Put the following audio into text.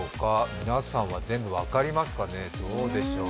皆さんは全部分かりますかね、どうでしょう。